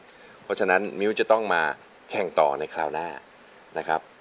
เพราะฉะนั้นมิ้วจะต้องมาแข่งต่อในคราวหน้านะครับ